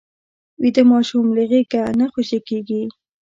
ویده ماشوم له غېږه نه خوشې کېږي